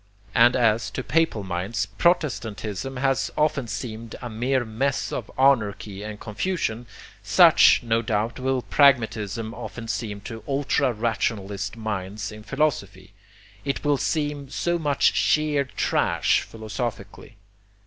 And as, to papal minds, protestantism has often seemed a mere mess of anarchy and confusion, such, no doubt, will pragmatism often seem to ultra rationalist minds in philosophy. It will seem so much sheer trash, philosophically.